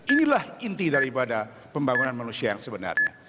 inilah inti daripada pembangunan manusia yang sebenarnya